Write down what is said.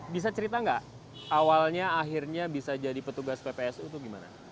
bisa cerita nggak awalnya akhirnya bisa jadi petugas ppsu itu gimana